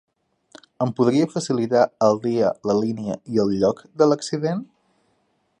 Em podria facilitar el dia, la línia i el lloc de l'accident?